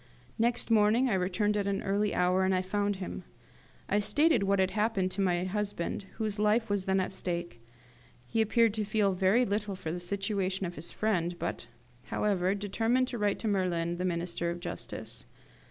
Next morning I returned at an early hour, and found him. I stated what had happened to my husband, whose life was then at stake. He appeared to feel very little for the situation of his friend, but, however, determined to write to Merlin, the Minister of Justice.